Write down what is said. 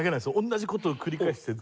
同じ事を繰り返してる。